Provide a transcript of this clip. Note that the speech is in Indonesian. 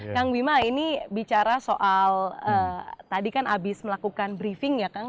kang bima ini bicara soal tadi kan abis melakukan briefing ya kang